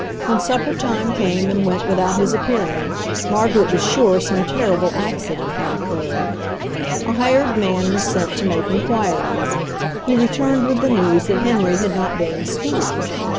When supper time came and went without his appearing Margaret was sure some terrible accident had occurred. A hired man was sent to make inquiries. He returned with the news that Henry had not been in school.